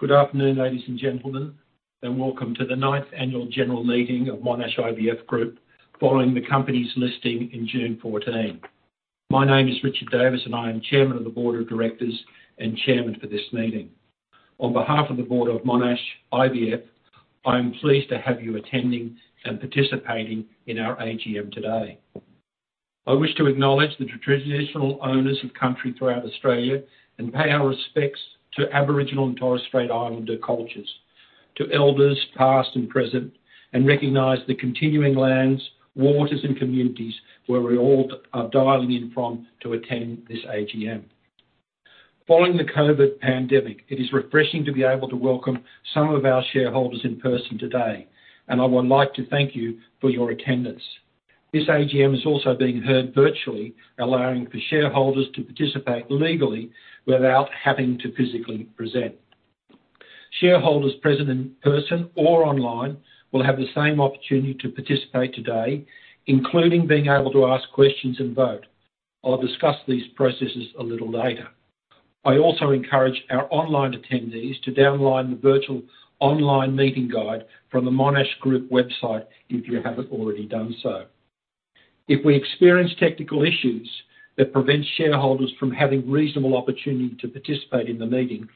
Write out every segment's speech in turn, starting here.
Good afternoon, ladies and gentlemen, and welcome to the ninth annual general meeting of Monash IVF Group following the company's listing in June 2014. My name is Richard Davis, and I am Chairman of the Board of Directors and Chairman for this meeting. On behalf of the board of Monash IVF, I am pleased to have you attending and participating in our AGM today. I wish to acknowledge the traditional owners of country throughout Australia and pay our respects to Aboriginal and Torres Strait Islander cultures, to elders past and present, and recognize the continuing lands, waters, and communities where we all are dialing in from to attend this AGM. Following the COVID pandemic, it is refreshing to be able to welcome some of our shareholders in person today, and I would like to thank you for your attendance. This AGM is also being heard virtually, allowing for shareholders to participate legally without having to physically present. Shareholders present in person or online will have the same opportunity to participate today, including being able to ask questions and vote. I'll discuss these processes a little later. I also encourage our online attendees to download the virtual online meeting guide from the Monash IVF Group website if you haven't already done so. If we experience technical issues that prevent shareholders from having reasonable opportunity to participate in the meeting,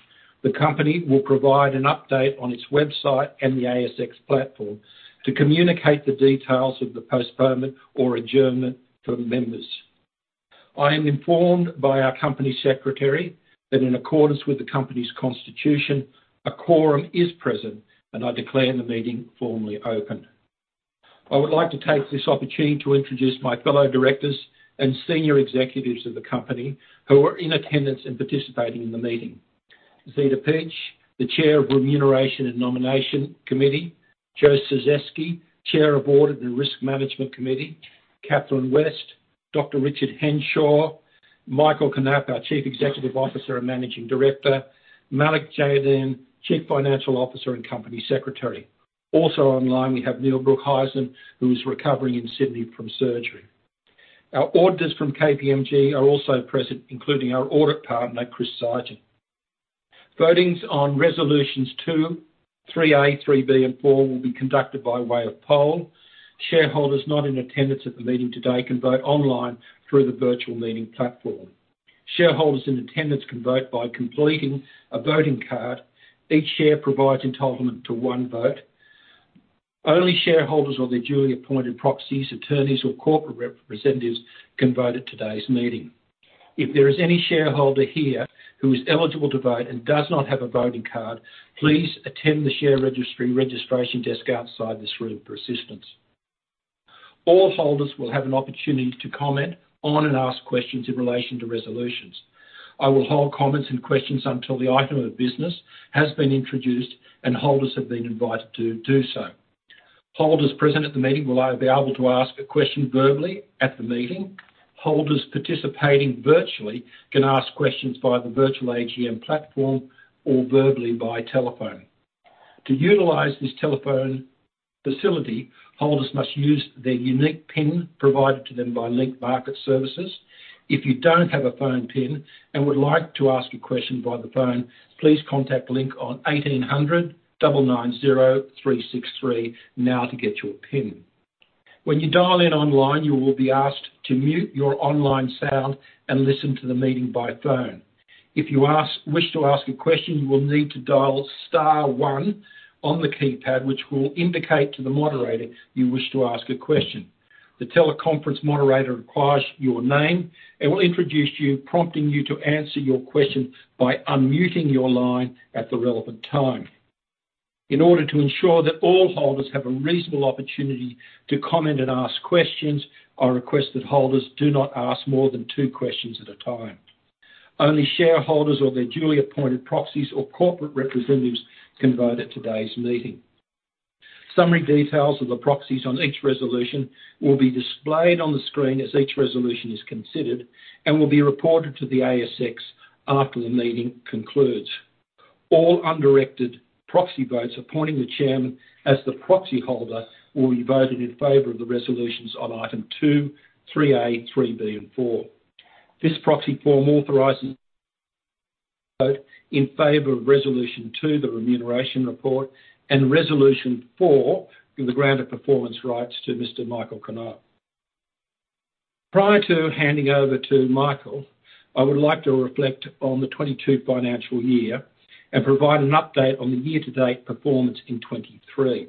the company will provide an update on its website and the ASX platform to communicate the details of the postponement or adjournment to the members. I am informed by our company secretary that in accordance with the company's constitution, a quorum is present, and I declare the meeting formally open. I would like to take this opportunity to introduce my fellow directors and senior executives of the company who are in attendance and participating in the meeting. Zita Peach, the Chair of Remuneration and Nomination Committee, Josef Czyzewski, Chair of Audit and Risk Management Committee, Catherine West, Dr. Richard Henshaw, Michael Knaap, our Chief Executive Officer and Managing Director, Malik Jainudeen, Chief Financial Officer and Company Secretary. Also online, we have Neil Broekhuizen, who is recovering in Sydney from surgery. Our auditors from KPMG are also present, including our audit partner, Chris Sergeant. Voting on resolutions 2, 3A, 3B and 4 will be conducted by way of poll. Shareholders not in attendance at the meeting today can vote online through the virtual meeting platform. Shareholders in attendance can vote by completing a voting card. Each share provides entitlement to one vote. Only shareholders or their duly appointed proxies, attorneys, or corporate representatives can vote at today's meeting. If there is any shareholder here who is eligible to vote and does not have a voting card, please attend the share registry registration desk outside this room for assistance. All holders will have an opportunity to comment on and ask questions in relation to resolutions. I will hold comments and questions until the item of business has been introduced and holders have been invited to do so. Holders present at the meeting will now be able to ask a question verbally at the meeting. Holders participating virtually can ask questions via the virtual AGM platform or verbally by telephone. To utilize this telephone facility, holders must use their unique PIN provided to them by Link Market Services. If you don't have a phone PIN and would like to ask a question via the phone, please contact Link on 1800 990 363 now to get your PIN. When you dial in online, you will be asked to mute your online sound and listen to the meeting by phone. If you wish to ask a question, you will need to dial star-one on the keypad, which will indicate to the moderator you wish to ask a question. The teleconference moderator requires your name and will introduce you, prompting you to answer your question by unmuting your line at the relevant time. In order to ensure that all holders have a reasonable opportunity to comment and ask questions, I request that holders do not ask more than two questions at a time. Only shareholders or their duly appointed proxies or corporate representatives can vote at today's meeting. Summary details of the proxies on each resolution will be displayed on the screen as each resolution is considered and will be reported to the ASX after the meeting concludes. All undirected proxy votes appointing the Chairman as the proxy holder will be voted in favor of the resolutions on item 2, 3A, 3B, and 4. This proxy form authorizes vote in favor of resolution 2, the remuneration report, and resolution 4 in the granted performance rights to Mr. Michael Knaap. Prior to handing over to Michael, I would like to reflect on the 2022 financial year and provide an update on the year-to-date performance in 2023.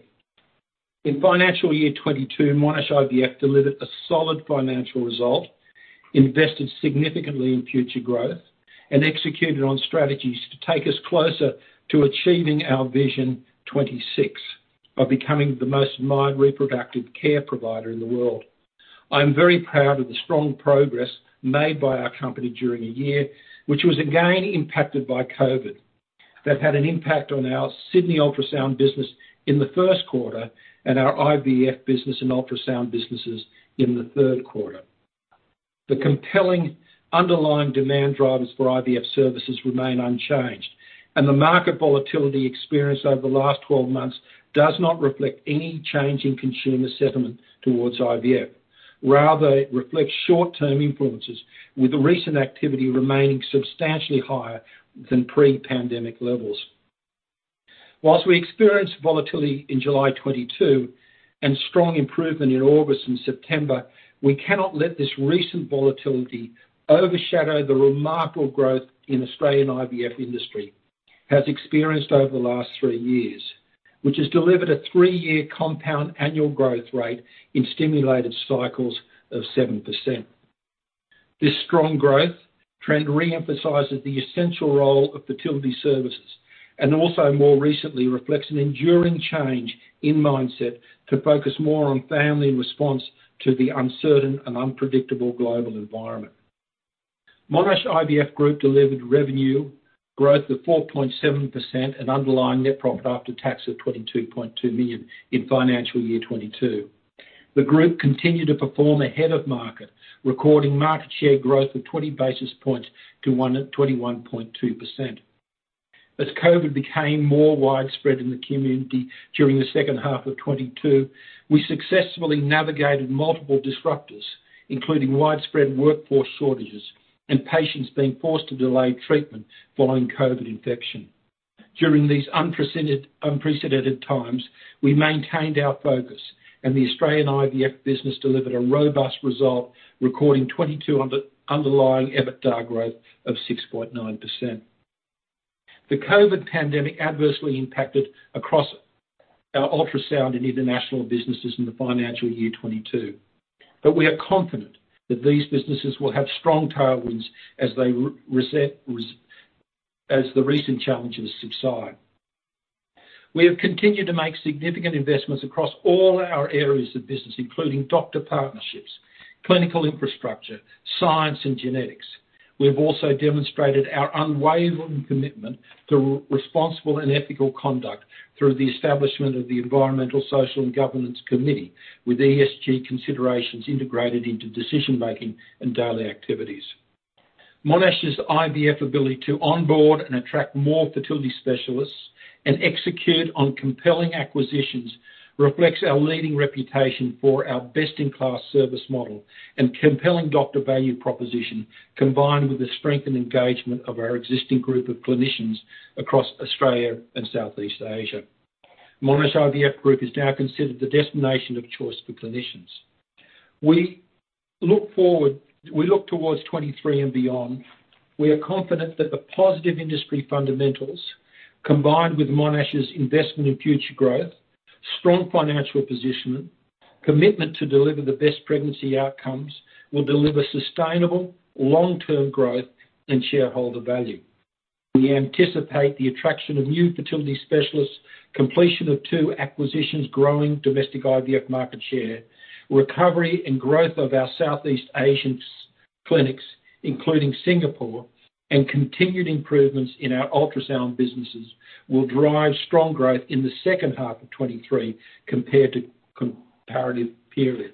In financial year 2022, Monash IVF delivered a solid financial result, invested significantly in future growth, and executed on strategies to take us closer to achieving our Vision 2026 of becoming the most admired reproductive care provider in the world. I am very proud of the strong progress made by our company during a year, which was again impacted by COVID. That had an impact on our Sydney Ultrasound for Women business in the first quarter and our IVF business and ultrasound businesses in the third quarter. The compelling underlying demand drivers for IVF services remain unchanged, and the market volatility experienced over the last 12 months does not reflect any change in consumer sentiment towards IVF. Rather reflect short-term influences with the recent activity remaining substantially higher than pre-pandemic levels. While we experienced volatility in July 2022 and strong improvement in August and September, we cannot let this recent volatility overshadow the remarkable growth in Australian IVF industry has experienced over the last three years, which has delivered a three-year compound annual growth rate in stimulated cycles of 7%. This strong growth trend re-emphasizes the essential role of fertility services and also more recently reflects an enduring change in mindset to focus more on family in response to the uncertain and unpredictable global environment. Monash IVF Group delivered revenue growth of 4.7% and underlying net profit after tax of 22.2 million in financial year 2022. The group continued to perform ahead of market, recording market share growth of 20 basis points to 21.2%. COVID became more widespread in the community during the second half of 2022, we successfully navigated multiple disruptors, including widespread workforce shortages and patients being forced to delay treatment following COVID infection. During these unprecedented times, we maintained our focus and the Australian IVF business delivered a robust result, recording FY 2022 underlying EBITDA growth of 6.9%. The COVID pandemic adversely impacted across our ultrasound and international businesses in the financial year 2022. We are confident that these businesses will have strong tailwinds as they reset. As the recent challenges subside. We have continued to make significant investments across all our areas of business, including doctor partnerships, clinical infrastructure, science, and genetics. We have also demonstrated our unwavering commitment to responsible and ethical conduct through the establishment of the Environmental, Social, and Governance Committee, with ESG considerations integrated into decision-making and daily activities. Monash IVF's ability to onboard and attract more fertility specialists and execute on compelling acquisitions reflects our leading reputation for our best-in-class service model and compelling doctor value proposition, combined with the strength and engagement of our existing group of clinicians across Australia and Southeast Asia. Monash IVF Group is now considered the destination of choice for clinicians. We look towards 2023 and beyond. We are confident that the positive industry fundamentals, combined with Monash's investment in future growth, strong financial position, commitment to deliver the best pregnancy outcomes, will deliver sustainable long-term growth and shareholder value. We anticipate the attraction of new fertility specialists, completion of two acquisitions growing domestic IVF market share, recovery and growth of our Southeast Asian clinics, including Singapore, and continued improvements in our ultrasound businesses will drive strong growth in the second half of 2023 compared to comparative period.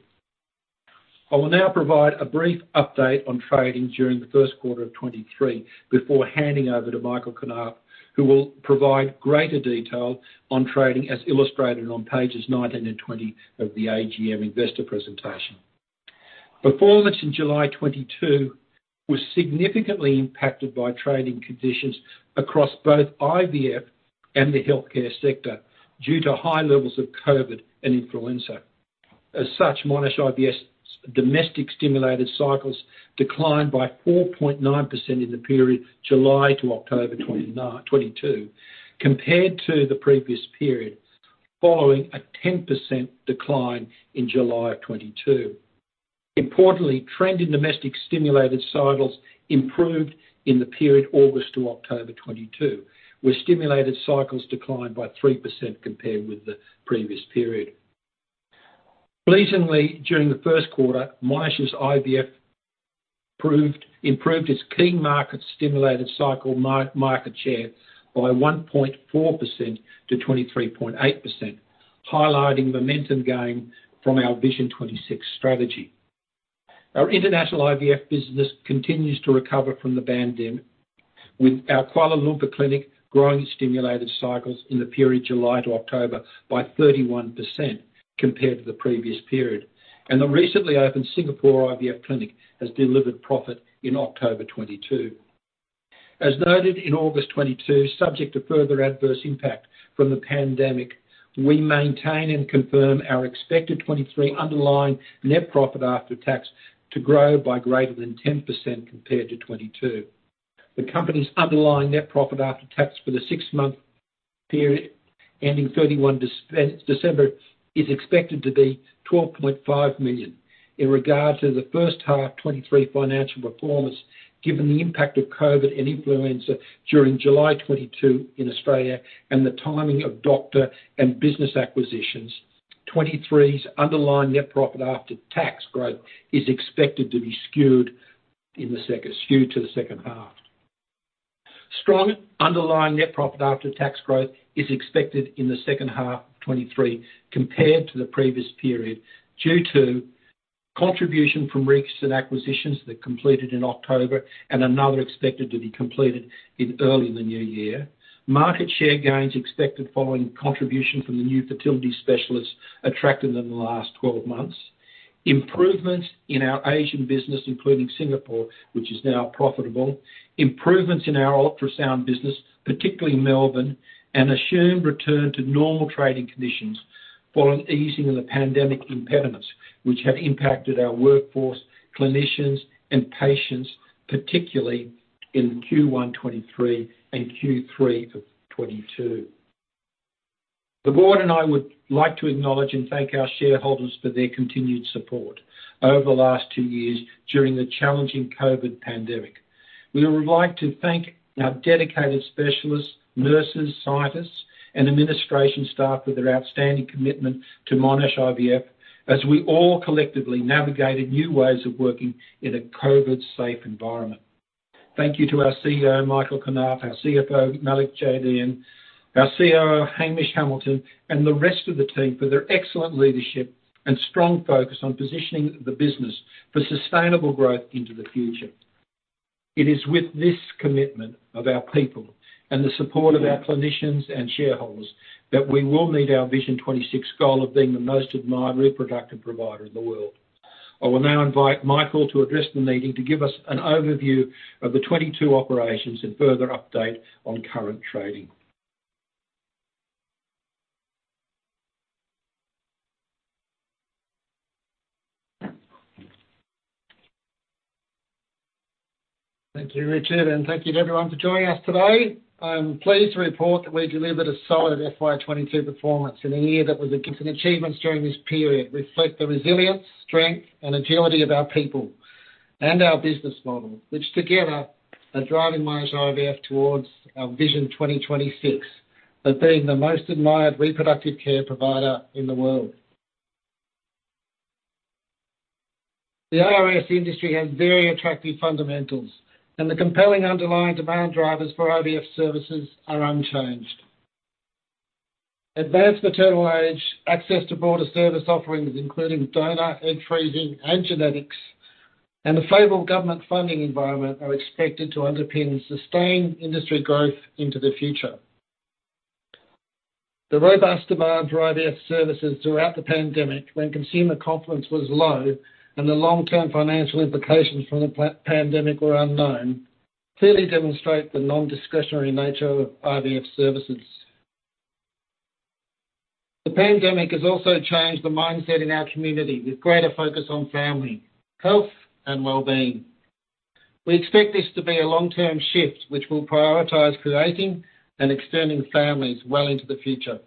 I will now provide a brief update on trading during the first quarter of 2023 before handing over to Michael Knaap, who will provide greater detail on trading as illustrated on pages 19 and 20 of the AGM investor presentation. Performance in July 2022 was significantly impacted by trading conditions across both IVF and the healthcare sector due to high levels of COVID and influenza. As such, Monash IVF's domestic stimulated cycles declined by 4.9% in the period July to October 2022 compared to the previous period, following a 10% decline in July of 2022. Importantly, trend in domestic stimulated cycles improved in the period August to October 2022, where stimulated cycles declined by 3% compared with the previous period. Pleasingly, during the first quarter, Monash IVF improved its key market stimulated cycle market share by 1.4% to 23.8%, highlighting momentum gain from our Vision 2026 strategy. Our international IVF business continues to recover from the pandemic, with our Kuala Lumpur clinic growing stimulated cycles in the period July to October by 31% compared to the previous period. The recently opened Singapore IVF Clinic has delivered profit in October 2022. As noted in August 2022, subject to further adverse impact from the pandemic, we maintain and confirm our expected 2023 underlying net profit after tax to grow by greater than 10% compared to 2022. The company's underlying net profit after tax for the six-month period ending December 31, is expected to be 12.5 million. In regards to the first half 2023 financial performance, given the impact of COVID and influenza during July 2022 in Australia and the timing of doctor and business acquisitions, 2023's underlying net profit after tax growth is expected to be skewed to the second half. Strong underlying net profit after tax growth is expected in the second half of 2023 compared to the previous period due to contribution from recent acquisitions that completed in October and another expected to be completed early in the new year. Market share gains expected following contribution from the new fertility specialists attracted in the last 12 months. Improvements in our Asian business, including Singapore, which is now profitable. Improvements in our ultrasound business, particularly in Melbourne, and assumed return to normal trading conditions following easing of the pandemic impediments which have impacted our workforce, clinicians and patients, particularly in Q1 2023 and Q3 of 2022. The board and I would like to acknowledge and thank our shareholders for their continued support over the last two years during the challenging COVID pandemic. We would like to thank our dedicated specialists, nurses, scientists and administration staff for their outstanding commitment to Monash IVF as we all collectively navigated new ways of working in a COVID-safe environment. Thank you to our CEO, Michael Knaap, our CFO, Malik Jainudeen, our COO, Hamish Hamilton, and the rest of the team for their excellent leadership and strong focus on positioning the business for sustainable growth into the future. It is with this commitment of our people and the support of our clinicians and shareholders that we will meet our Vision 2026 goal of being the most admired reproductive provider in the world. I will now invite Michael to address the meeting to give us an overview of the 2022 operations and further update on current trading. Thank you, Richard, and thank you to everyone for joining us today. I am pleased to report that we delivered a solid FY 2022 performance. Achievements during this period reflect the resilience, strength and agility of our people and our business model, which together are driving Monash IVF towards our Vision 2026 of being the most admired reproductive care provider in the world. The IVF industry has very attractive fundamentals, and the compelling underlying demand drivers for IVF services are unchanged. Advanced maternal age, access to broader service offerings, including donor, egg freezing and genetics, and a favorable government funding environment are expected to underpin sustained industry growth into the future. The robust demand for IVF services throughout the pandemic, when consumer confidence was low and the long-term financial implications from the pandemic were unknown, clearly demonstrate the nondiscretionary nature of IVF services. The pandemic has also changed the mindset in our community with greater focus on family, health and well-being. We expect this to be a long-term shift, which will prioritize creating and extending families well into the future.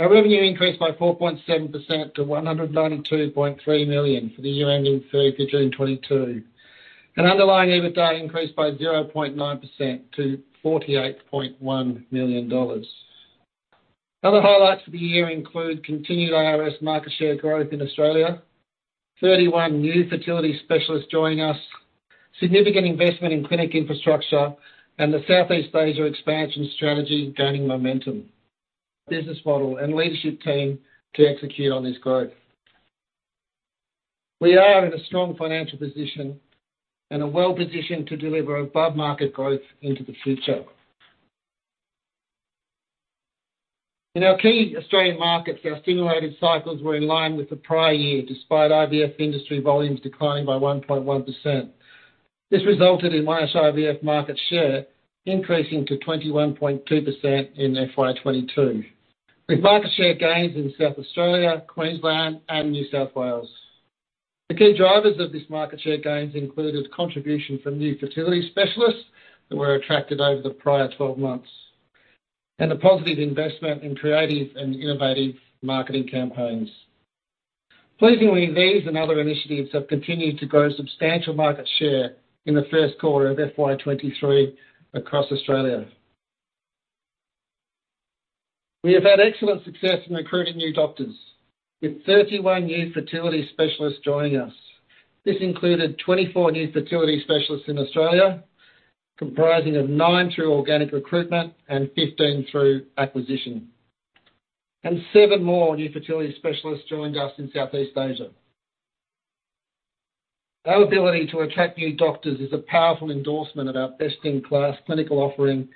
Our revenue increased by 4.7% to 192.3 million for the year ending June 30, 2022, and underlying EBITDA increased by 0.9% to 48.1 million dollars. Other highlights of the year include continued IVF market share growth in Australia, 31 new fertility specialists joining us, significant investment in clinic infrastructure and the Southeast Asia expansion strategy gaining momentum. Business model and leadership team to execute on this growth. We are in a strong financial position and are well-positioned to deliver above-market growth into the future. In our key Australian markets, our stimulated cycles were in line with the prior year, despite IVF industry volumes declining by 1.1%. This resulted in Monash IVF market share increasing to 21.2% in FY 2022, with market share gains in South Australia, Queensland and New South Wales. The key drivers of this market share gains included contribution from new fertility specialists that were attracted over the prior 12 months, and the positive investment in creative and innovative marketing campaigns. Pleasingly, these and other initiatives have continued to grow substantial market share in the first quarter of FY 2023 across Australia. We have had excellent success in recruiting new doctors, with 31 new fertility specialists joining us. This included 24 new fertility specialists in Australia, comprising of nine through organic recruitment and 15 through acquisition. Seven more new fertility specialists joined us in Southeast Asia. Our ability to attract new doctors is a powerful endorsement of our best-in-class clinical offering,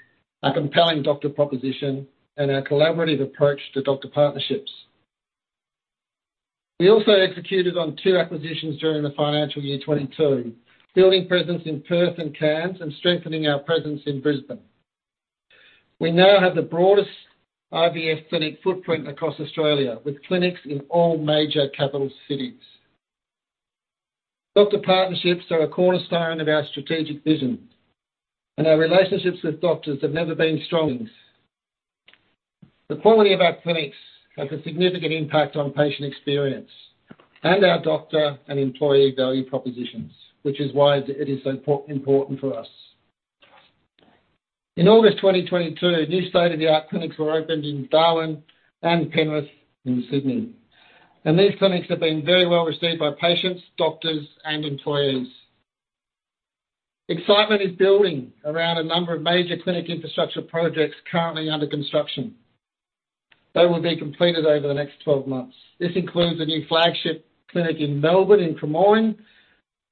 our compelling doctor proposition, and our collaborative approach to doctor partnerships. We also executed on two acquisitions during the financial year 2022, building presence in Perth and Cairns, and strengthening our presence in Brisbane. We now have the broadest IVF clinic footprint across Australia, with clinics in all major capital cities. Doctor partnerships are a cornerstone of our strategic vision, and our relationships with doctors have never been stronger. The quality of our clinics has a significant impact on patient experience and our doctor and employee value propositions, which is why it is so important for us. In August 2022, new state-of-the-art clinics were opened in Darwin and Penrith in Sydney, and these clinics have been very well received by patients, doctors and employees. Excitement is building around a number of major clinic infrastructure projects currently under construction that will be completed over the next 12 months. This includes a new flagship clinic in Melbourne in Cremorne,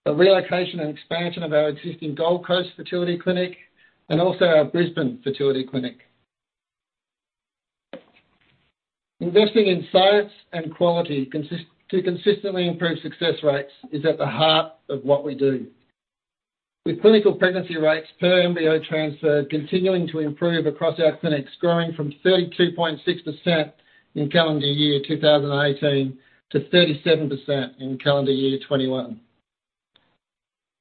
the relocation and expansion of our existing Gold Coast fertility clinic, and also our Brisbane fertility clinic. Investing in science and quality to consistently improve success rates is at the heart of what we do. With clinical pregnancy rates per embryo transfer continuing to improve across our clinics, growing from 32.6% in calendar year 2018 to 37% in calendar year 2021.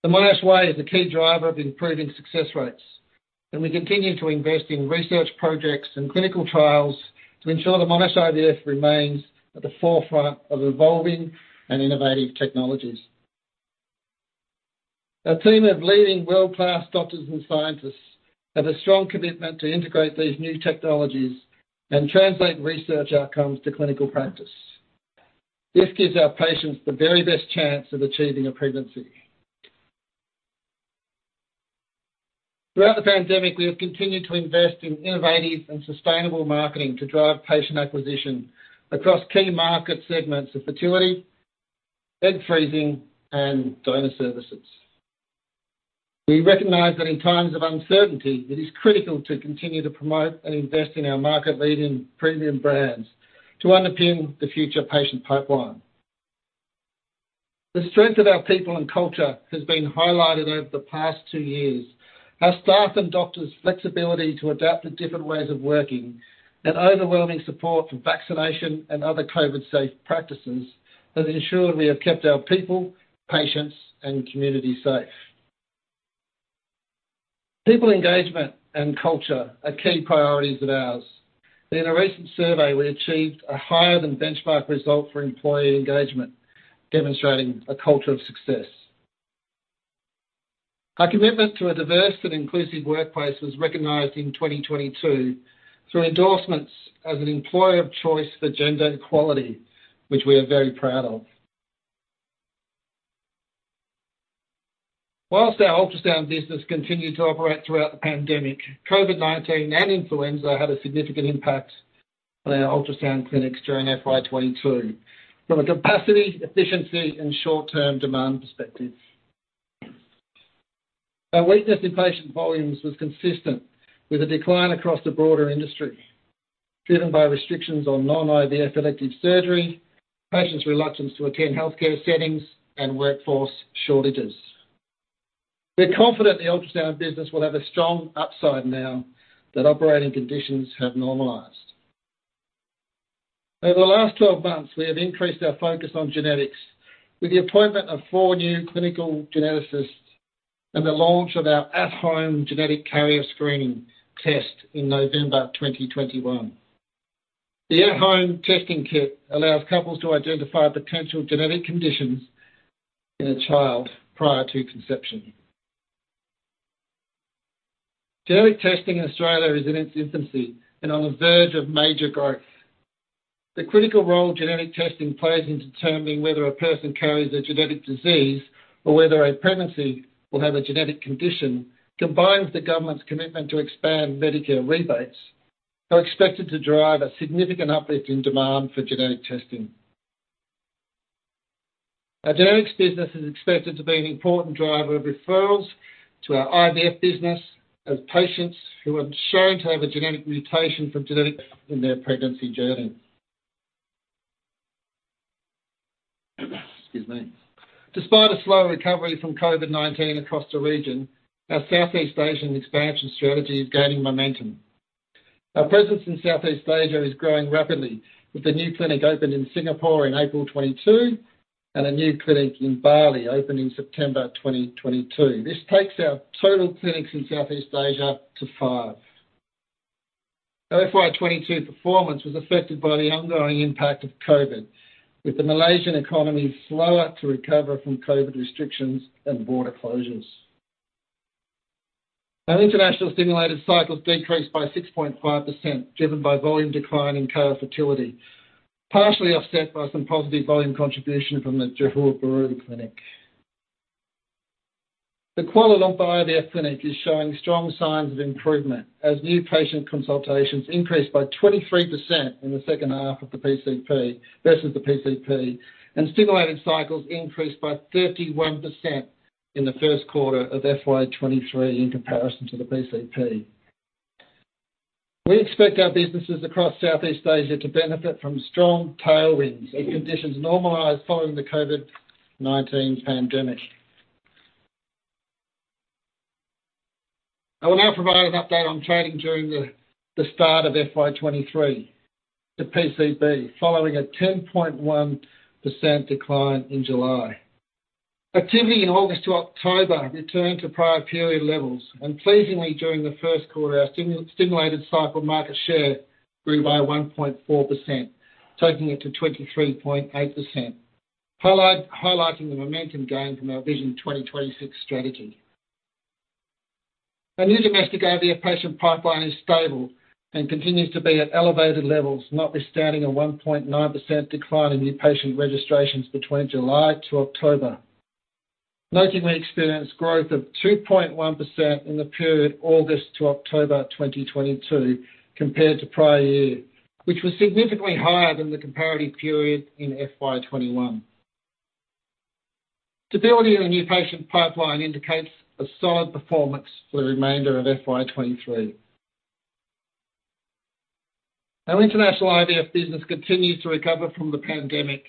The Monash way is a key driver of improving success rates, and we continue to invest in research projects and clinical trials to ensure that Monash IVF remains at the forefront of evolving and innovative technologies. Our team of leading world-class doctors and scientists have a strong commitment to integrate these new technologies and translate research outcomes to clinical practice. This gives our patients the very best chance of achieving a pregnancy. Throughout the pandemic, we have continued to invest in innovative and sustainable marketing to drive patient acquisition across key market segments of fertility, egg freezing, and donor services. We recognize that in times of uncertainty, it is critical to continue to promote and invest in our market-leading premium brands to underpin the future patient pipeline. The strength of our people and culture has been highlighted over the past two years. Our staff and doctors' flexibility to adapt to different ways of working and overwhelming support for vaccination and other COVID safe practices has ensured we have kept our people, patients, and community safe. People engagement and culture are key priorities of ours. In a recent survey, we achieved a higher than benchmark result for employee engagement, demonstrating a culture of success. Our commitment to a diverse and inclusive workplace was recognized in 2022 through endorsements as an employer of choice for gender equality, which we are very proud of. While our ultrasound business continued to operate throughout the pandemic, COVID-19 and influenza had a significant impact on our ultrasound clinics during FY 2022, from a capacity, efficiency, and short-term demand perspective. A weakness in patient volumes was consistent with a decline across the broader industry, driven by restrictions on non-IVF elective surgery, patients' reluctance to attend healthcare settings, and workforce shortages. We're confident the ultrasound business will have a strong upside now that operating conditions have normalized. Over the last 12 months, we have increased our focus on genetics with the appointment of four new clinical geneticists and the launch of our at-home genetic carrier screening test in November 2021. The at-home testing kit allows couples to identify potential genetic conditions in a child prior to conception. Genetic testing in Australia is in its infancy and on the verge of major growth. The critical role genetic testing plays in determining whether a person carries a genetic disease or whether a pregnancy will have a genetic condition, combined with the government's commitment to expand Medicare rebates, are expected to drive a significant uplift in demand for genetic testing. Our genetics business is expected to be an important driver of referrals to our IVF business as patients who are shown to have a genetic mutation from genetics in their pregnancy journey. Excuse me. Despite a slow recovery from COVID-19 across the region, our Southeast Asian expansion strategy is gaining momentum. Our presence in Southeast Asia is growing rapidly, with a new clinic opened in Singapore in April 2022 and a new clinic in Bali opening September 2022. This takes our total clinics in Southeast Asia to five. FY 2022 performance was affected by the ongoing impact of COVID, with the Malaysian economy slower to recover from COVID restrictions and border closures. Our international stimulated cycles decreased by 6.5%, driven by volume decline in KL Fertility, partially offset by some positive volume contribution from the Johor Bahru clinic. The Kuala Lumpur IVF clinic is showing strong signs of improvement as new patient consultations increased by 23% in the second half of the PCP versus the PCP, and stimulated cycles increased by 31% in the first quarter of FY 2023 in comparison to the PCP. We expect our businesses across Southeast Asia to benefit from strong tailwinds as conditions normalize following the COVID-19 pandemic. I will now provide an update on trading during the start of FY 2023. The PCP, following a 10.1% decline in July. Activity in August to October returned to prior period levels, and pleasingly during the first quarter, our stimulated cycle market share grew by 1.4%, taking it to 23.8%, highlighting the momentum gained from our Vision 2026 strategy. Our new domestic IVF patient pipeline is stable and continues to be at elevated levels, notwithstanding a 1.9% decline in new patient registrations between July to October. Notably, we experienced growth of 2.1% in the period August to October 2022 compared to prior year, which was significantly higher than the comparative period in FY 2021. Stability in the new patient pipeline indicates a solid performance for the remainder of FY 2023. Our international IVF business continues to recover from the pandemic,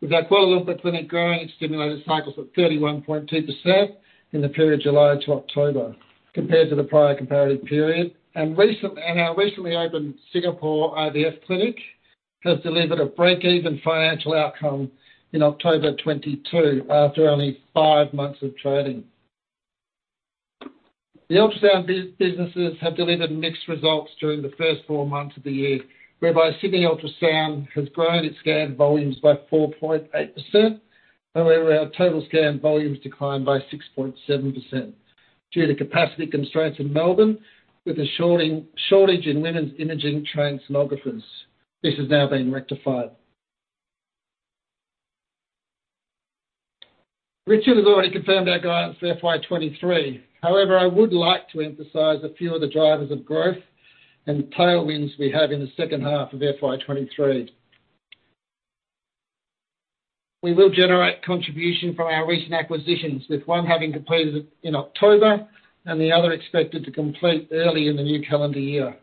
with our KL Fertility growing its stimulated cycles of 31.2% in the period July to October compared to the prior comparative period. Our recently opened Singapore IVF clinic has delivered a break-even financial outcome in October 2022 after only five months of trading. The ultrasound businesses have delivered mixed results during the first four months of the year, whereby Sydney Ultrasound for Women has grown its scan volumes by 4.8%. However, our total scan volumes declined by 6.7% due to capacity constraints in Melbourne with a shortage in women's imaging trained sonographers. This has now been rectified. Richard has already confirmed our guidance for FY 2023. However, I would like to emphasize a few of the drivers of growth and tailwinds we have in the second half of FY 2023. We will generate contribution from our recent acquisitions, with one having completed in October and the other expected to complete early in the new calendar year.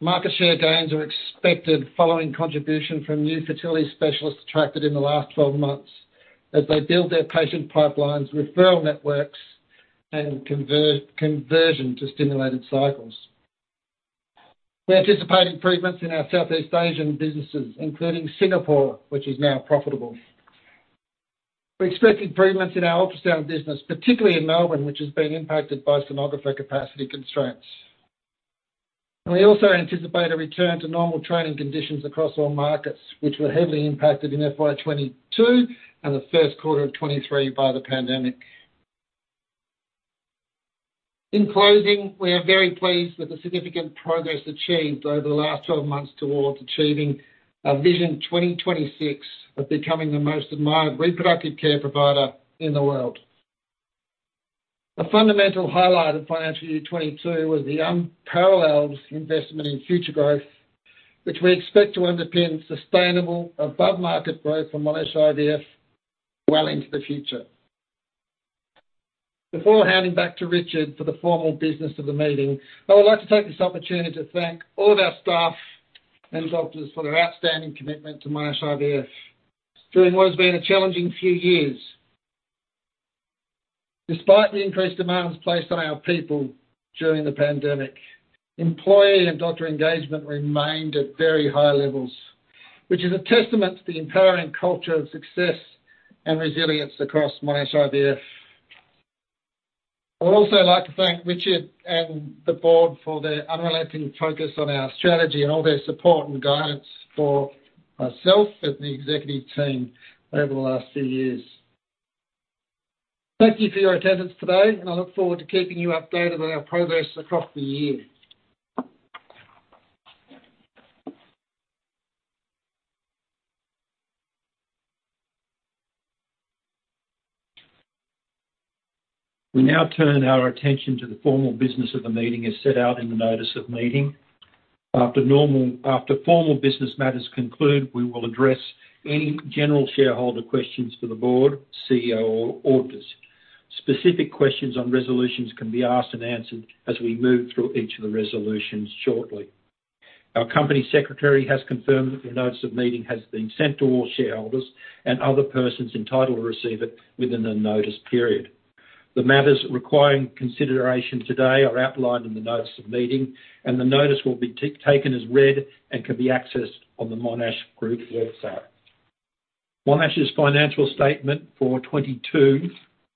Market share gains are expected following contribution from new fertility specialists attracted in the last 12 months as they build their patient pipelines, referral networks, and conversion to stimulated cycles. We anticipate improvements in our Southeast Asian businesses, including Singapore, which is now profitable. We expect improvements in our ultrasound business, particularly in Melbourne, which has been impacted by sonographer capacity constraints. We also anticipate a return to normal trading conditions across all markets, which were heavily impacted in FY 2022 and the first quarter of 2023 by the pandemic. In closing, we are very pleased with the significant progress achieved over the last 12 months towards achieving our Vision 2026 of becoming the most admired reproductive care provider in the world. A fundamental highlight of financial year 2022 was the unparalleled investment in future growth, which we expect to underpin sustainable above-market growth for Monash IVF well into the future. Before handing back to Richard for the formal business of the meeting, I would like to take this opportunity to thank all of our staff and doctors for their outstanding commitment to Monash IVF during what has been a challenging few years. Despite the increased demands placed on our people during the pandemic, employee and doctor engagement remained at very high levels, which is a testament to the empowering culture of success and resilience across Monash IVF. I would also like to thank Richard and the board for their unrelenting focus on our strategy and all their support and guidance for myself and the executive team over the last few years. Thank you for your attendance today, and I look forward to keeping you updated on our progress across the year. We now turn our attention to the formal business of the meeting as set out in the notice of meeting. After formal business matters conclude, we will address any general shareholder questions for the board, CEO or auditors. Specific questions on resolutions can be asked and answered as we move through each of the resolutions shortly. Our company secretary has confirmed that the notice of meeting has been sent to all shareholders and other persons entitled to receive it within the notice period. The matters requiring consideration today are outlined in the notice of meeting, and the notice will be taken as read and can be accessed on the Monash IVF Group website. Monash IVF Group's financial statement for 2022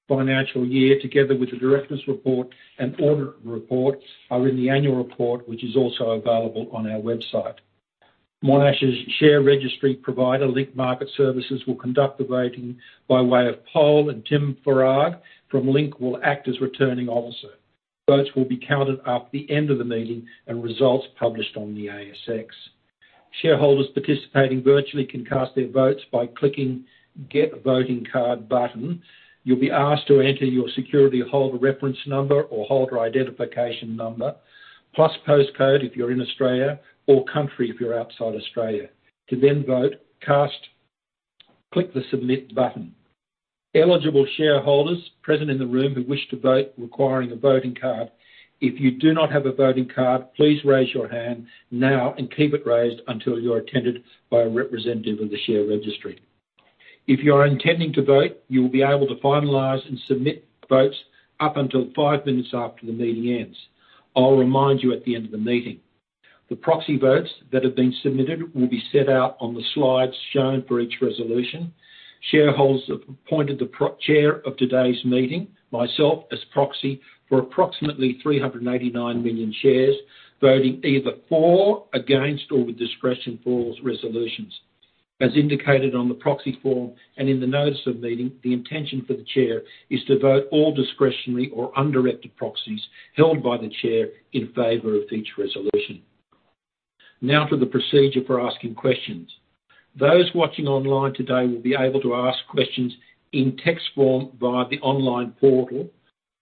financial year, together with the directors' report and auditor's report, are in the annual report, which is also available on our website. Monash's share registry provider, Link Market Services, will conduct the voting by way of poll, and Tim Faragher from Link will act as Returning Officer. Votes will be counted after the end of the meeting and results published on the ASX. Shareholders participating virtually can cast their votes by clicking Get Voting Card button. You'll be asked to enter your security holder reference number or holder identification number, plus postcode if you're in Australia or country if you're outside Australia. To then vote, cast, click the Submit button. Eligible shareholders present in the room who wish to vote requiring a voting card, if you do not have a voting card, please raise your hand now and keep it raised until you're attended by a representative of the share registry. If you are intending to vote, you will be able to finalize and submit votes up until 5 minutes after the meeting ends. I'll remind you at the end of the meeting. The proxy votes that have been submitted will be set out on the slides shown for each resolution. Shareholders have appointed the chair of today's meeting, myself, as proxy for approximately 389 million shares, voting either for, against, or with discretion for resolutions. As indicated on the proxy form and in the notice of meeting, the intention for the chair is to vote all discretionary or undirected proxies held by the chair in favor of each resolution. Now for the procedure for asking questions. Those watching online today will be able to ask questions in text form via the online portal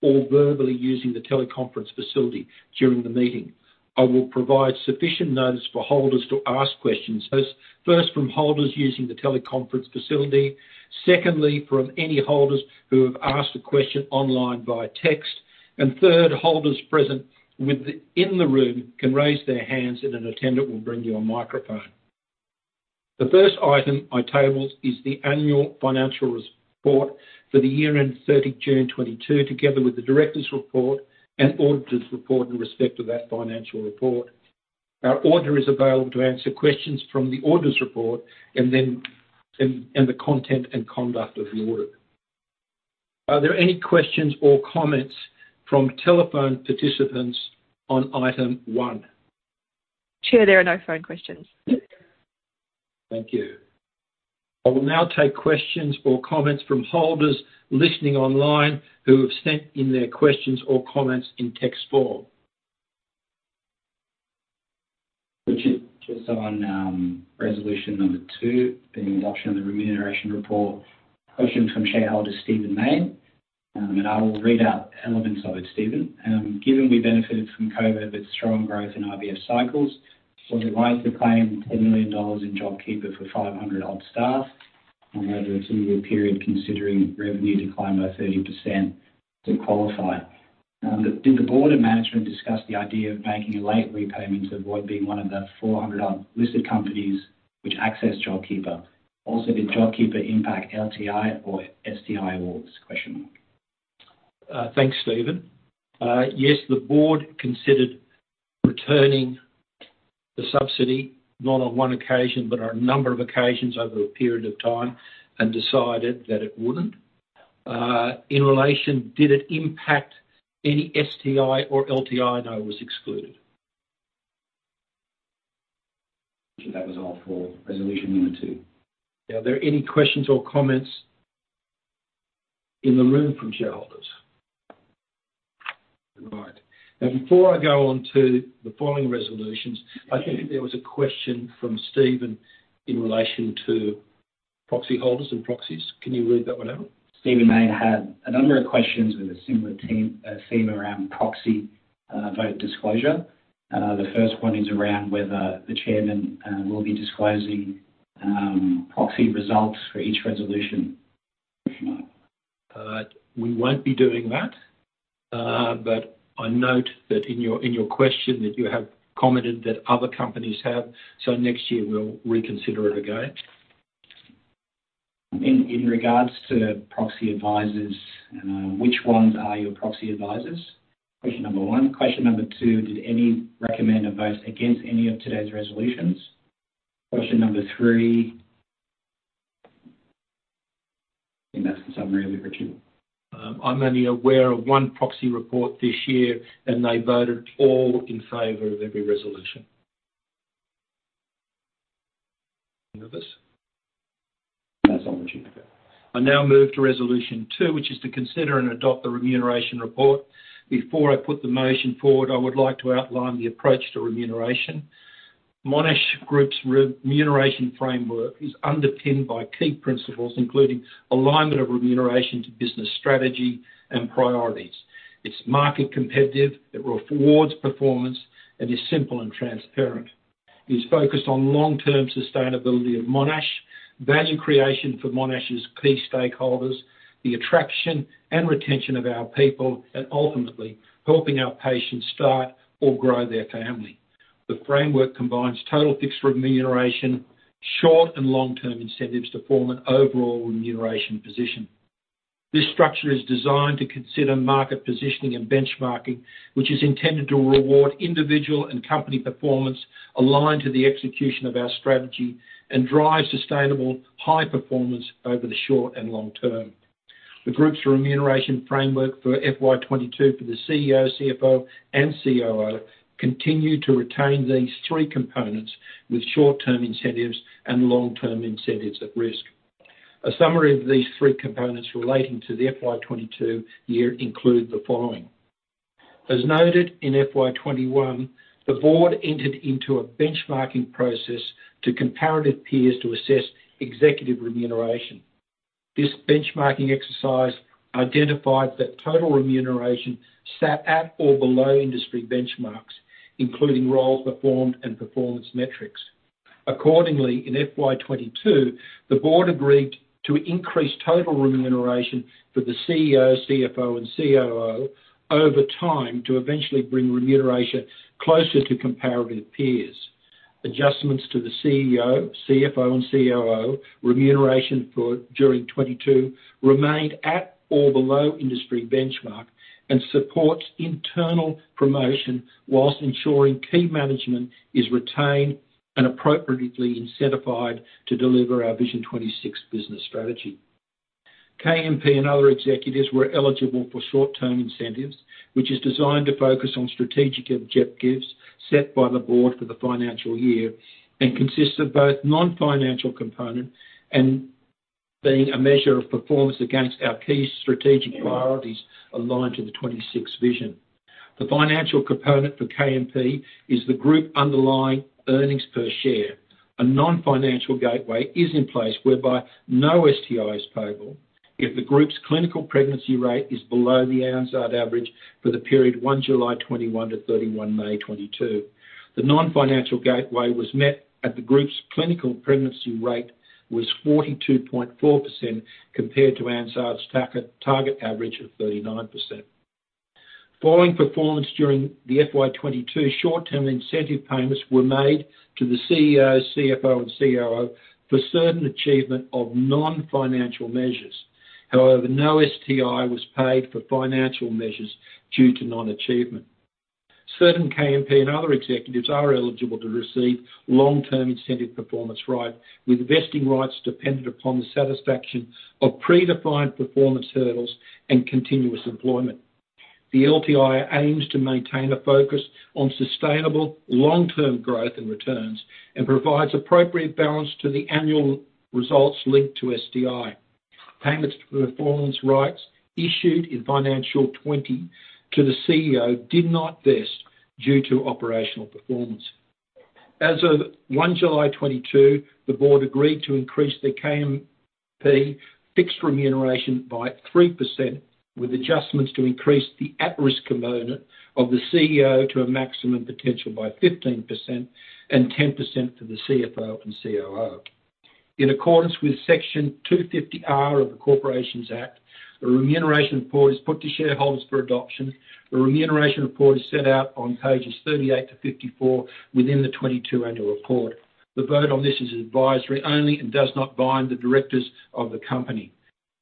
or verbally using the teleconference facility during the meeting. I will provide sufficient notice for holders to ask questions first from holders using the teleconference facility. Secondly, from any holders who have asked a question online via text. Third, holders present in the room can raise their hands and an attendant will bring you a microphone. The first item I tabled is the annual financial report for the year-end June 30, 2022, together with the directors' report and auditor's report in respect to that financial report. Our auditor is available to answer questions from the auditor's report and the content and conduct of the audit. Are there any questions or comments from telephone participants on item one? Chair, there are no phone questions. Thank you. I will now take questions or comments from holders listening online who have sent in their questions or comments in text form. Richard, just on resolution number two, the adoption of the remuneration report. Question from shareholder Steven May, and I will read out elements of it, Steven. Given we benefited from COVID with strong growth in IVF cycles, why is the claim 10 million dollars in JobKeeper for 500-odd staff over a two-year period, considering revenue declined by 30% to qualify? Did the board and management discuss the idea of making a late repayment to avoid being one of the 400-odd listed companies which accessed JobKeeper? Also, did JobKeeper impact LTI or STI awards? Thanks, Steven. Yes, the board considered returning the subsidy not on one occasion, but on a number of occasions over a period of time, and decided that it wouldn't. In relation, did it impact any STI or LTI? No, it was excluded. That was all for resolution number two. Are there any questions or comments in the room from shareholders? Right. Now, before I go on to the following resolutions, I think there was a question from Steven in relation to proxy holders and proxies. Can you read that one out? Steven May had a number of questions with a similar theme around proxy vote disclosure. The first one is around whether the chairman will be disclosing proxy results for each resolution? We won't be doing that. I note that in your question that you have commented that other companies have, so next year we'll reconsider it again. In regards to proxy advisors, which ones are your proxy advisors? Question number one. Question number two, did any recommend a vote against any of today's resolutions? That's the summary of it, Richard. I'm only aware of one proxy report this year, and they voted all in favor of every resolution. Any others? That's all, Richard. I now move to resolution two, which is to consider and adopt the remuneration report. Before I put the motion forward, I would like to outline the approach to remuneration. Monash Group's remuneration framework is underpinned by key principles, including alignment of remuneration to business strategy and priorities. It's market competitive, it rewards performance, and is simple and transparent. It is focused on long-term sustainability of Monash, value creation for Monash's key stakeholders, the attraction and retention of our people, and ultimately helping our patients start or grow their family. The framework combines total fixed remuneration, short and long-term incentives to form an overall remuneration position. This structure is designed to consider market positioning and benchmarking, which is intended to reward individual and company performance aligned to the execution of our strategy and drive sustainable high performance over the short and long-term. The Group's remuneration framework for FY 2022 for the CEO, CFO, and COO continue to retain these three components with short-term incentives and long-term incentives at risk. A summary of these three components relating to the FY 2022 year include the following. As noted in FY 20 21, the board entered into a benchmarking process to comparable peers to assess executive remuneration. This benchmarking exercise identified that total remuneration sat at or below industry benchmarks, including roles performed and performance metrics. Accordingly, in FY 2022, the board agreed to increase total remuneration for the CEO, CFO and COO over time to eventually bring remuneration closer to comparable peers. Adjustments to the CEO, CFO and COO remuneration in FY 2022 remained at or below industry benchmark and supports internal promotion while ensuring key management is retained and appropriately incentivized to deliver our Vision 2026 business strategy. KMP and other executives were eligible for short-term incentives, which is designed to focus on strategic objectives set by the board for the financial year and consists of both non-financial component and being a measure of performance against our key strategic priorities aligned to the 2026 Vision. The financial component for KMP is the group underlying earnings per share. A non-financial gateway is in place whereby no STI is payable if the group's clinical pregnancy rate is below the ANZARD average for the period July 1, 2021 to May 31, 2022. The non-financial gateway was met as the group's clinical pregnancy rate was 42.4% compared to ANZARD's target average of 39%. Following performance during the FY 2022, short-term incentive payments were made to the CEO, CFO and COO for certain achievement of non-financial measures. However, no STI was paid for financial measures due to non-achievement. Certain KMP and other executives are eligible to receive long-term incentive performance right, with vesting rights dependent upon the satisfaction of predefined performance hurdles and continuous employment. The LTI aims to maintain a focus on sustainable long-term growth and returns, and provides appropriate balance to the annual results linked to STI. Payments to performance rights issued in financial 2020 to the CEO did not vest due to operational performance. As of July 1, 2022, the board agreed to increase the KMP fixed remuneration by 3%, with adjustments to increase the at-risk component of the CEO to a maximum potential by 15% and 10% to the CFO and COO. In accordance with Section 250R of the Corporations Act, a remuneration report is put to shareholders for adoption. The remuneration report is set out on pages 38-54 within the 2022 annual report. The vote on this is advisory only and does not bind the directors of the company.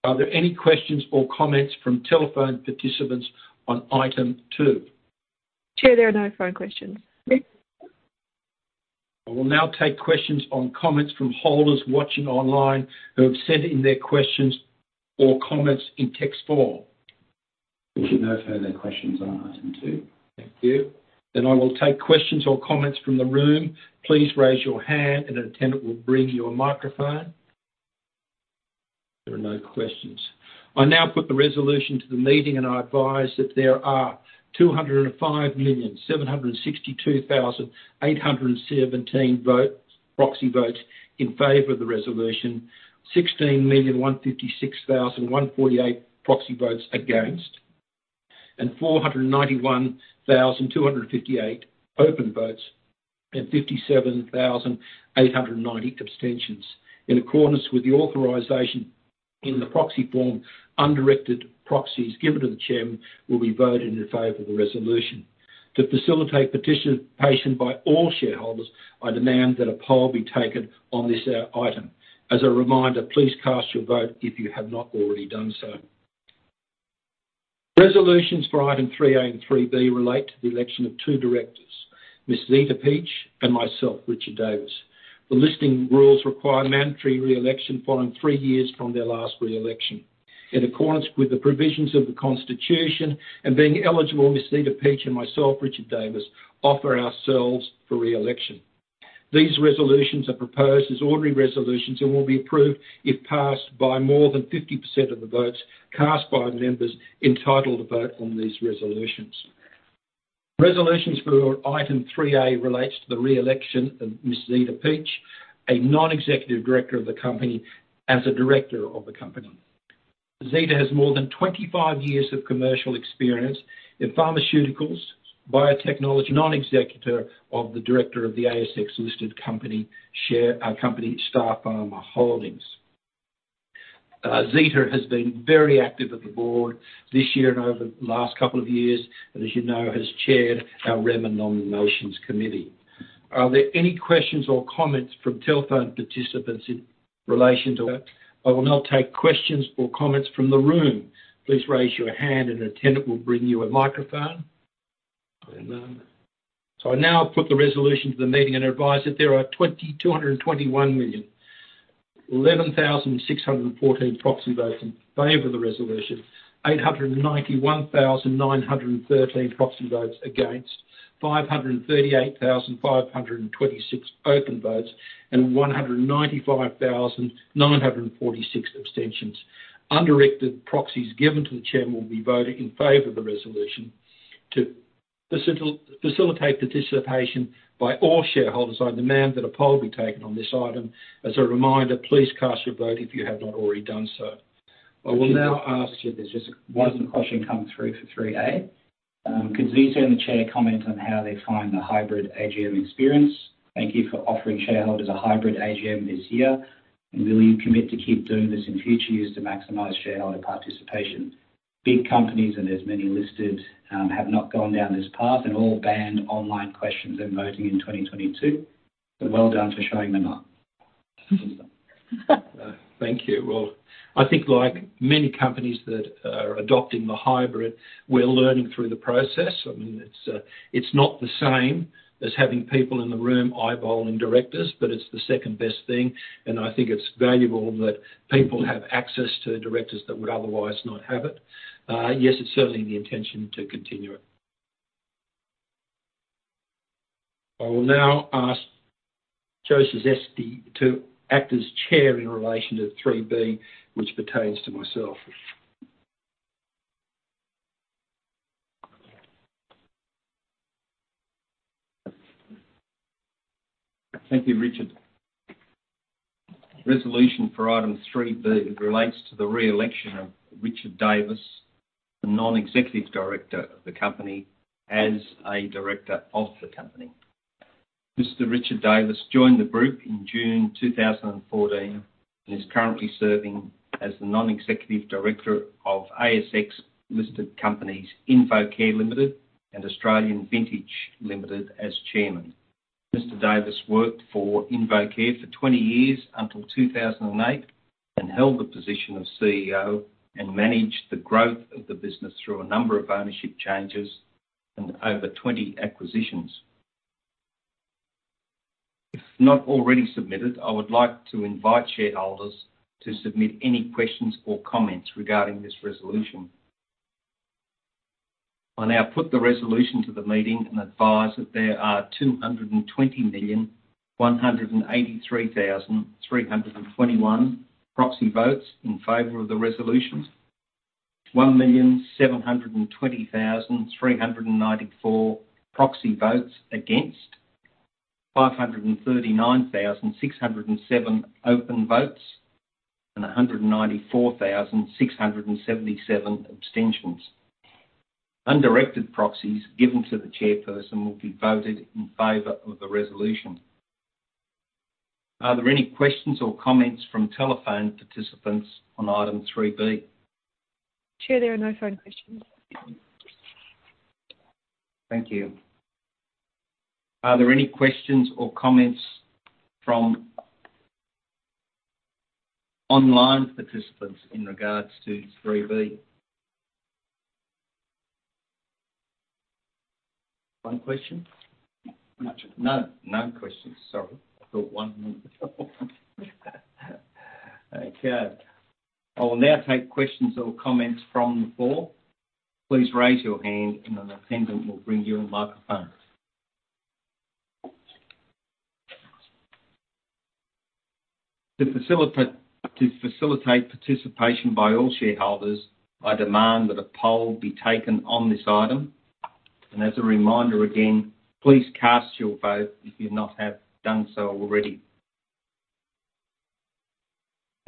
Are there any questions or comments from telephone participants on item two? Chair, there are no phone questions. I will now take questions or comments from holders watching online who have sent in their questions or comments in text form. There should be no further questions on item two. Thank you. I will take questions or comments from the room. Please raise your hand and an attendant will bring you a microphone. There are no questions. I now put the resolution to the meeting, and I advise that there are 205,762,817 proxy votes in favor of the resolution, 16,156,148 proxy votes against, and 491,258 open votes, and 57,890 abstentions. In accordance with the authorization in the proxy form, undirected proxies given to the Chair will be voted in favor of the resolution. To facilitate participation by all shareholders, I demand that a poll be taken on this item. As a reminder, please cast your vote if you have not already done so. Resolutions for item 3A and 3B relate to the election of two directors, Ms. Zita Peach and myself, Richard Davis. The Listing Rules require mandatory re-election following three years from their last re-election. In accordance with the provisions of the Constitution and being eligible, Ms. Zita Peach and myself, Richard Davis, offer ourselves for re-election. These resolutions are proposed as ordinary resolutions and will be approved if passed by more than 50% of the votes cast by the members entitled to vote on these resolutions. Resolutions for item 3A relates to the re-election of Ms. Zita Peach, a non-executive director of the company as a director of the company. Zita has more than 25 years of commercial experience in pharmaceuticals, biotechnology, non-executive director of the ASX listed company Starpharma Holdings. Zita has been very active on the board this year and over the last couple of years, and as you know, has chaired our Remuneration and Nomination Committee. Are there any questions or comments from telephone participants in relation to that? I will now take questions or comments from the room. Please raise your hand and an attendant will bring you a microphone. I now put the resolution to the meeting and advise that there are 221,011,614 proxy votes in favor of the resolution, 891,913 proxy votes against, 538,526 open votes, and 195,946 abstentions. Undirected proxies given to the Chair will be voted in favor of the resolution. To facilitate participation by all shareholders, I demand that a poll be taken on this item. As a reminder, please cast your vote if you have not already done so. I will now ask if there's [a question]. One question come through for 3A. Could Zita and the Chair comment on how they find the hybrid AGM experience? Thank you for offering shareholders a hybrid AGM this year. Will you commit to keep doing this in future years to maximize shareholder participation? Big companies, and there's many listed, have not gone down this path, and all banned online questions and voting in 2022. Well done for showing them up. Thank you. Well, I think like many companies that are adopting the hybrid, we're learning through the process. I mean, it's not the same as having people in the room eyeballing directors, but it's the second best thing, and I think it's valuable that people have access to directors that would otherwise not have it. Yes, it's certainly the intention to continue it. I will now ask Josef Czyzewski to act as chair in relation to three B, which pertains to myself. Thank you, Richard. Resolution for item 3B relates to the re-election of Richard Davis, the non-executive director of the company, as a director of the company. Mr. Richard Davis joined the group in June 2014 and is currently serving as the non-executive director of ASX-listed companies InvoCare Limited and Australian Vintage Limited as chairman. Mr. Davis worked for InvoCare for 20 years until 2008 and held the position of CEO and managed the growth of the business through a number of ownership changes and over 20 acquisitions. If not already submitted, I would like to invite shareholders to submit any questions or comments regarding this resolution. I now put the resolution to the meeting and advise that there are 220,183,321 proxy votes in favor of the resolution, 1,720,394 proxy votes against, 539,607 open votes, and 194,677 abstentions. Undirected proxies given to the chairperson will be voted in favor of the resolution. Are there any questions or comments from telephone participants on item 3B? Chair, there are no phone questions. Thank you. Are there any questions or comments from online participants in regards to 3B? One question? No questions. Sorry. I thought one. Okay. I will now take questions or comments from the floor. Please raise your hand and an attendant will bring you a microphone. To facilitate participation by all shareholders, I demand that a poll be taken on this item. As a reminder again, please cast your vote if you've not done so already.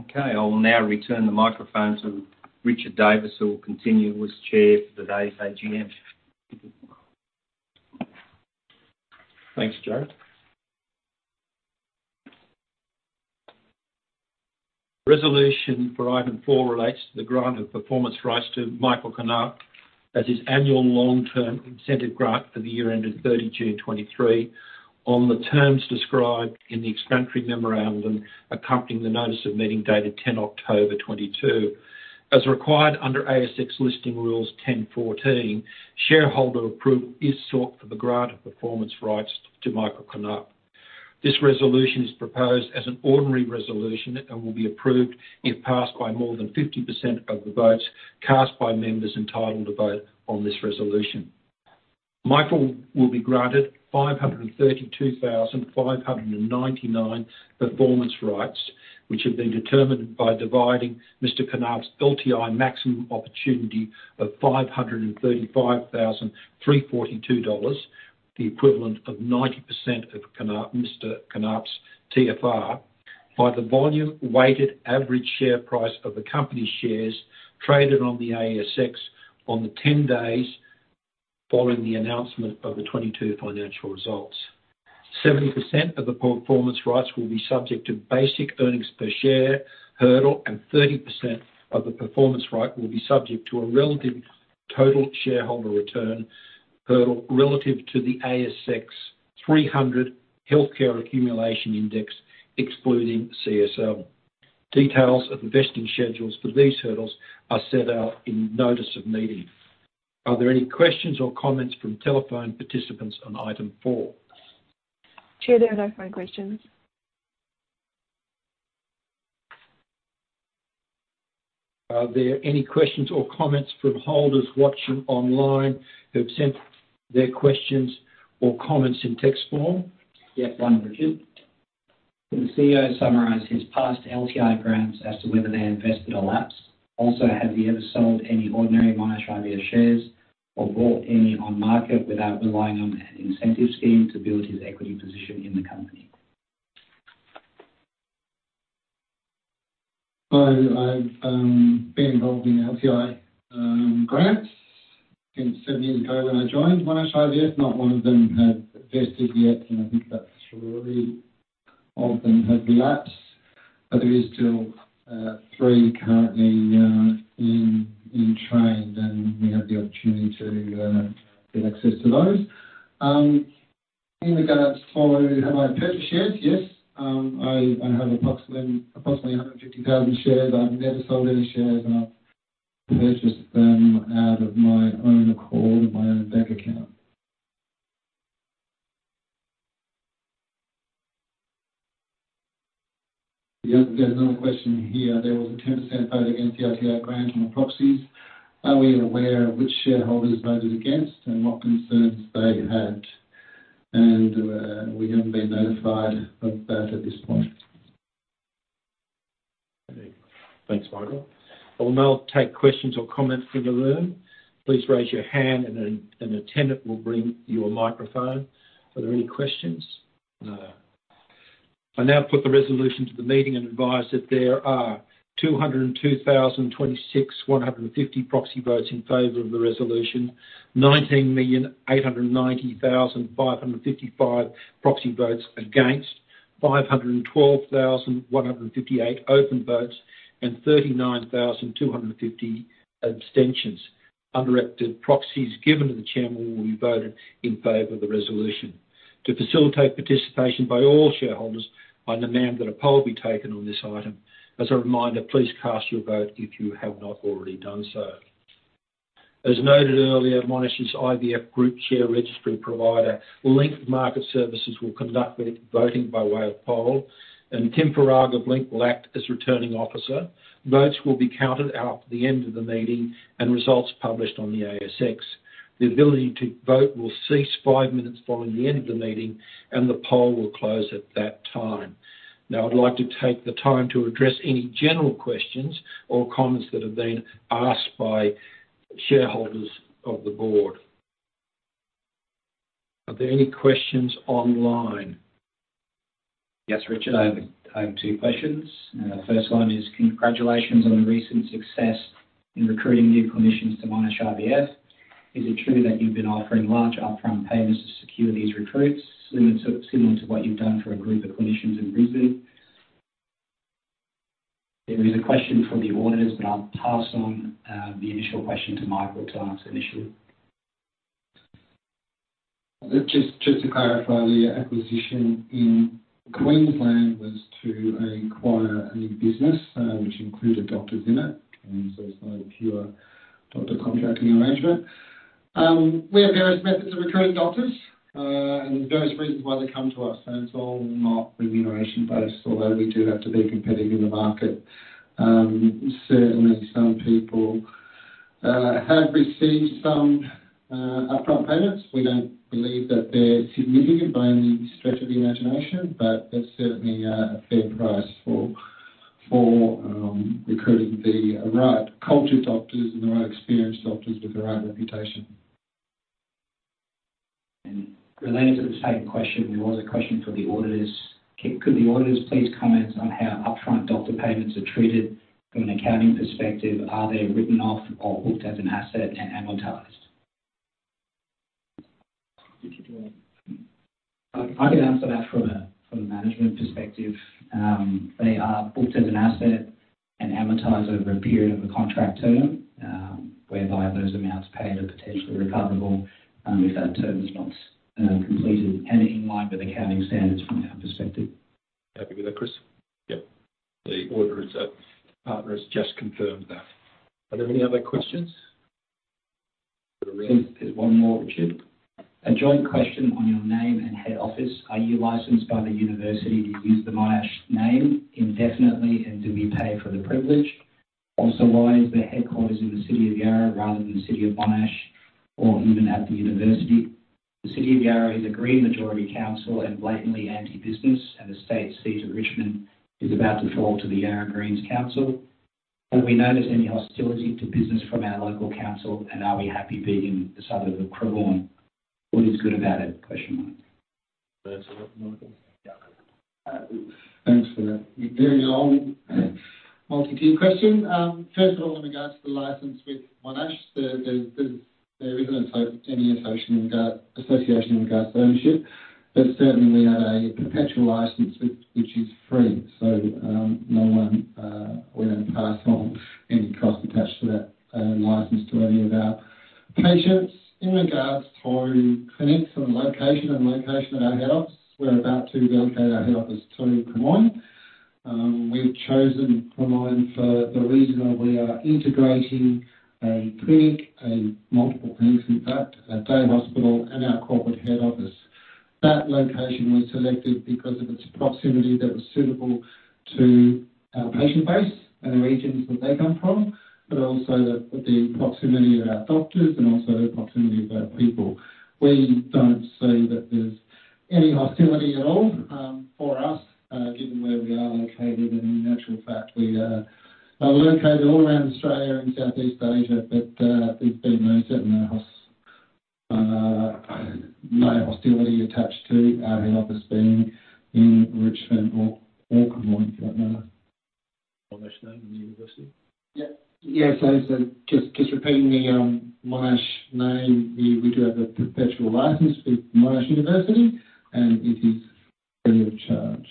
Okay, I will now return the microphone to Richard Davis, who will continue as chair for today's AGM. Thanks, Joe. Resolution for item four relates to the grant of performance rights to Michael Knaap as his annual long-term incentive grant for the year ended June 30, 2023 on the terms described in the explanatory memorandum accompanying the notice of meeting dated October 10, 2022. As required under ASX Listing Rules 10.14, shareholder approval is sought for the grant of performance rights to Michael Knaap. This resolution is proposed as an ordinary resolution and will be approved if passed by more than 50% of the votes cast by members entitled to vote on this resolution. Michael will be granted 532,599 performance rights, which have been determined by dividing Mr. Knaap's LTI maximum opportunity of 535,342 dollars, the equivalent of 90% of Mr. Knaap's TFR, by the volume-weighted average share price of the company's shares traded on the ASX on the 10 days following the announcement of the 2022 financial results. 70% of the performance rights will be subject to basic earnings per share hurdle, and 30% of the performance right will be subject to a relative total shareholder return hurdle relative to the S&P/ASX 300 Health Care Accumulation Index, excluding CSL. Details of vesting schedules for these hurdles are set out in notice of meeting. Are there any questions or comments from telephone participants on item four? Chair, there are no phone questions. Are there any questions or comments from holders watching online who have sent their questions or comments in text form? Yes, one, Richard. Can the CEO summarize his past LTI grants as to whether they are vested or lapsed? Also, have you ever sold any ordinary Monash IVF shares or bought any on market without relying on an incentive scheme to build his equity position in the company? Well, I've been involved in LTI grants since seven years ago when I joined Monash IVF. Not one of them have vested yet, and I think that three of them have lapsed. There is still three currently in train, and we have the opportunity to get access to those. In regards for have I purchased shares? Yes. I have approximately 150,000 shares. I've never sold any shares, and I've purchased them out of my own accord and my own bank account. Yeah, there's another question here. There was a 10% vote against the LTI grant on the proxies. Are we aware which shareholders voted against and what concerns they had? We haven't been notified of that at this point. Okay. Thanks, Michael. I will now take questions or comments from the room. Please raise your hand and an attendant will bring you a microphone. Are there any questions? No. I now put the resolution to the meeting and advise that there are 202,026, 150 proxy votes in favor of the resolution. 19,890,555 proxy votes against. 512,158 open votes, and 39,250 abstentions. Undirected proxies given to the chair will be voted in favor of the resolution. To facilitate participation by all shareholders, I demand that a poll be taken on this item. As a reminder, please cast your vote if you have not already done so. As noted earlier, Monash IVF Group's share registry provider, Link Market Services, will conduct the voting by way of poll, and Tim Faragher of Link will act as Returning Officer. Votes will be counted out at the end of the meeting and results published on the ASX. The ability to vote will cease five minutes following the end of the meeting, and the poll will close at that time. Now, I'd like to take the time to address any general questions or comments that have been asked by shareholders of the board. Are there any questions online? Yes, Richard, I have two questions. The first one is congratulations on the recent success in recruiting new clinicians to Monash IVF. Is it true that you've been offering large upfront payments to secure these recruits similar to what you've done for a group of clinicians in Brisbane? There is a question from the auditors, but I'll pass on the initial question to Michael to answer initially. Just to clarify, the acquisition in Queensland was to acquire a new business, which included doctors in it, and so it's not a pure doctor contracting arrangement. We have various methods of recruiting doctors, and there's various reasons why they come to us, and it's all not remuneration-based, although we do have to be competitive in the market. Certainly, some people have received some upfront payments. We don't believe that they're significant by any stretch of the imagination, but they're certainly a fair price for recruiting the right cultured doctors and the right experienced doctors with the right reputation. Related to the same question, there was a question for the auditors. Could the auditors please comment on how upfront doctor payments are treated from an accounting perspective? Are they written off or booked as an asset and amortized? I can answer that from a management perspective. They are booked as an asset and amortized over a period of a contract term, whereby those amounts paid are potentially recoverable, if that term is not completed and in line with accounting standards from our perspective. Happy with that, Chris? Yep. The auditor's partner has just confirmed that. Are there any other questions? There's one more, Richard. A joint question on your name and head office. Are you licensed by the university to use the Monash name indefinitely, and do we pay for the privilege? Also, why is the headquarters in the City of Yarra rather than the City of Monash or even at the university? The City of Yarra is a Greens majority council and blatantly anti-business, and the state seat of Richmond is about to fall to the Yarra Greens Council. Have we noticed any hostility to business from our local council, and are we happy being in the suburb of Cremorne? What is good about it? That's a lot, Michael. Yeah. Thanks for that very long multi-tiered question. First of all, in regards to the license with Monash, there isn't any association in regards to ownership, but there certainly is a perpetual license which is free. So, we don't pass on any cost attached to that license to any of our patients. In regards to clinics and location of our head office, we're about to relocate our head office to Cremorne. We've chosen Cremorne for the reason that we are integrating a clinic, multiple clinics in fact, a day hospital and our corporate head office. That location was selected because of its proximity that was suitable to our patient base and the regions that they come from, but also the proximity of our doctors and also the proximity of our people. We don't see that there's any hostility at all for us, given where we are located. In actual fact, we're located all around Australia and Southeast Asia, but there's been no hostility attached to our head office being in Richmond or Cremorne for that matter. Monash name and the University. Yes, just repeating the Monash name, we do have a perpetual license with Monash University, and it is free of charge.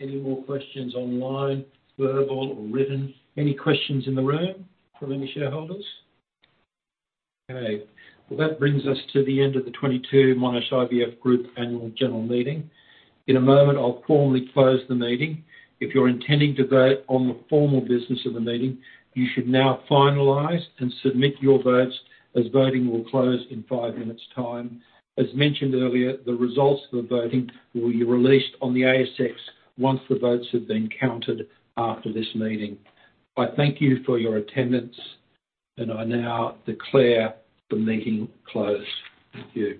Any more questions online, verbal or written? Any questions in the room from any shareholders? Okay. Well, that brings us to the end of the 2022 Monash IVF Group Annual General Meeting. In a moment, I'll formally close the meeting. If you're intending to vote on the formal business of the meeting, you should now finalize and submit your votes as voting will close in five minutes' time. As mentioned earlier, the results of the voting will be released on the ASX once the votes have been counted after this meeting. I thank you for your attendance, and I now declare the meeting closed. Thank you.